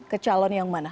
ke calon yang mana